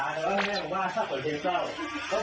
เออขัดขามาหาระทวยไปแล้ว